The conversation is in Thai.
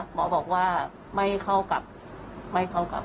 หมอบอกว่าไม่เข้ากับไม่เข้ากับ